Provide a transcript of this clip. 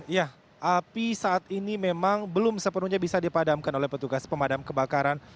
ya api saat ini memang belum sepenuhnya bisa dipadamkan oleh petugas pemadam kebakaran